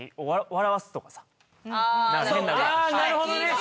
あなるほどねあ